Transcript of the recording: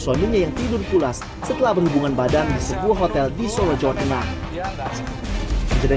suaminya yang tidur pulas setelah berhubungan badan sebuah hotel di surajawa tengah jadwal